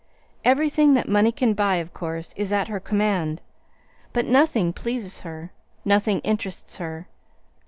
Everything that money can buy, of course, is at her command; but nothing pleases her, nothing interests her.